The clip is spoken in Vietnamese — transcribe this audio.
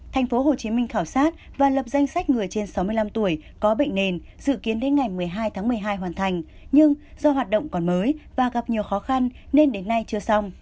thành phố hồ chí minh khảo sát và lập danh sách người trên sáu mươi năm tuổi có bệnh nền dự kiến đến ngày một mươi hai tháng một mươi hai hoàn thành nhưng do hoạt động còn mới và gặp nhiều khó khăn nên đến nay chưa xong